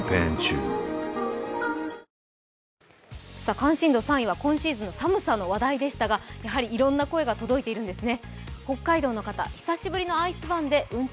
関心度３位は今シーズンの寒さの話題でしたがやはりいろんな声が届いているんですね。